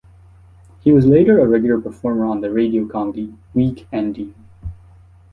He was later a regular performer on the radio comedy "Week Ending".